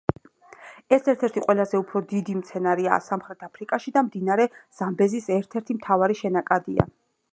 ეს ერთ-ერთი ყველაზე უფრო დიდი მდინარეა სამხრეთ აფრიკაში და მდინარე ზამბეზის ერთ-ერთი მთავარი შენაკადია.